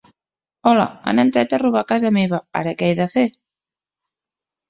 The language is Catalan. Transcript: Hola, han entrat a robar a casa meva, ara que he de fer?